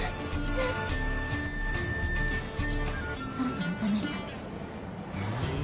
じゃあそろそろ行かないと。